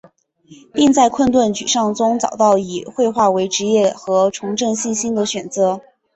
并在困顿沮丧中找到了以绘画为职业和重振信心的选择。